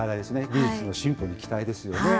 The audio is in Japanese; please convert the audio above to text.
技術の進歩に期待ですよね。